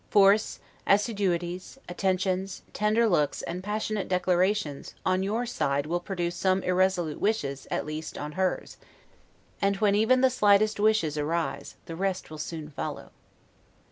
Force, assiduities, attentions, tender looks, and passionate declarations, on your side will produce some irresolute wishes, at least, on hers; and when even the slightest wishes arise, the rest will soon follow.